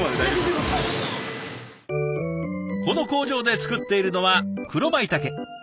この工場で作っているのは黒まいたけ。